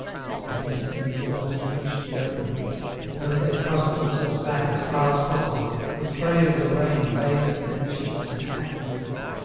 Their bent knees almost reached the opening, and though they thrust themselves back as far as possible, the spray of the rain bathed their cheeks and hands.